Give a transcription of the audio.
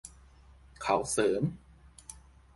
เขาเสริม